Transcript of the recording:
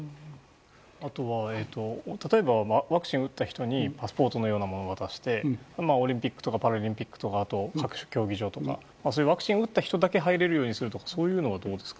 あとは、例えばワクチンを打った人にパスポートのようなものを渡してオリンピックとかパラリンピックとかあと各種競技場とかワクチンを打った人だけ入れるようにするとかはどうですか。